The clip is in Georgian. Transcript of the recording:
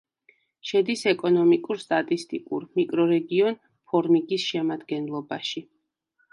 შედის ეკონომიკურ-სტატისტიკურ მიკრორეგიონ ფორმიგის შემადგენლობაში.